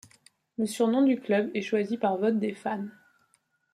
Le surnom du club est choisi par vote des fans.